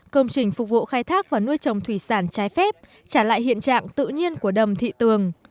công trình phục vụ khai thác và nuôi trồng thủy sản trái phép trả lại hiện trạng tự nhiên của đầm thị tường